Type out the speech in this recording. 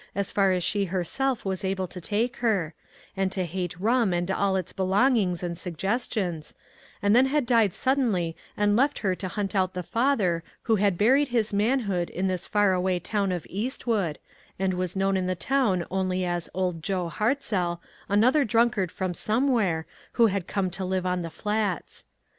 as far as she herself was able to take her, and to hate rum and all its belongings and suggestions, and then had died suddenly and left her to hunt out the father who had buried his manhood in this far away town of Eastwood, and was known in the town only as Old Joe Hartzell, another drunkard from somewhere, who had come to live on the Flats.